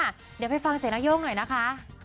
เดี๋ยวไปฟังเสียงนาย่งหน่อยนะคะ